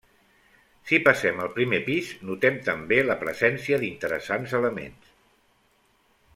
Si passem al primer pis, notem també la presència d'interessants elements.